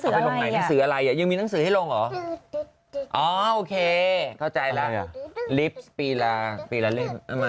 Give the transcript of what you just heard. เอาไปด้านไหนอ่ะนี้มีหนังสือให้ลงเหรอโอเคเข้าใจแล้วภาพภูมิอะไรอ่ะ